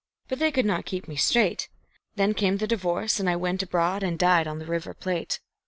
but they could not keep me straight; Then came the divorce, and I went abroad and "died" on the River Plate.